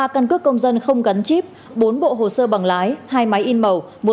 ba căn cước công dân không gắn chip bốn bộ hồ sơ bằng lái hai máy in màu